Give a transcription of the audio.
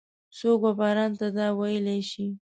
څوک وباران ته دا ویلای شي؟